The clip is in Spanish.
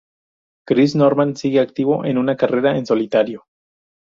Chris Norman sigue en activo en una carrera en solitario.